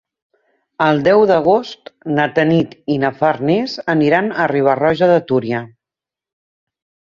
El deu d'agost na Tanit i na Farners aniran a Riba-roja de Túria.